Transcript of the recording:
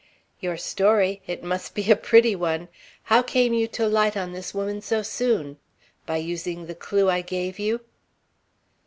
"Your story? It must be a pretty one. How came you to light on this woman so soon? By using the clew I gave you?"